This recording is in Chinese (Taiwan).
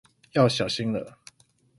要小心了